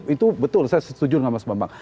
itu betul saya setuju dengan mas bambang